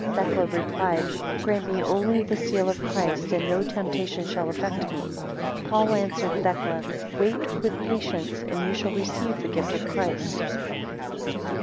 14 Thecla replied, Grant me only the seal of Christ, and no temptation shall affect me. 15 Paul answered, Thecla, wait with patience, and you shall receive the gift of Christ.